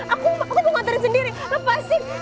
aku mau aku mau ngantrain sendiri lepasin